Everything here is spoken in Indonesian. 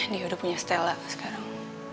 dia udah punya stella sekarang